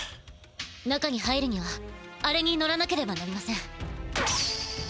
中に入るにはあれに乗らなければなりません。